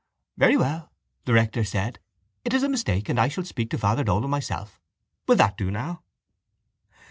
—Very well, the rector said, it is a mistake and I shall speak to Father Dolan myself. Will that do now?